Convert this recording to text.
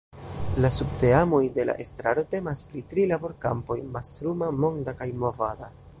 La subteamoj de la estraro temas pri tri laborkampoj, mastruma, monda kaj movada.